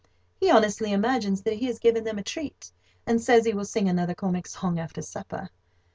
He honestly imagines that he has given them a treat, and says he will sing another comic song after supper.